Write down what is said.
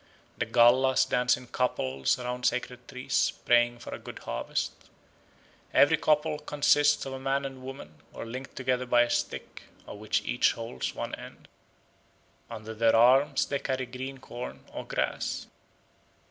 The Gallas dance in couples round sacred trees, praying for a good harvest. Every couple consists of a man and woman, who are linked together by a stick, of which each holds one end. Under their arms they carry green corn or grass.